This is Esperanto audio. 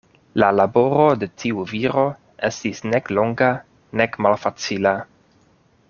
La laboro de tiu viro estis nek longa nek malfacila.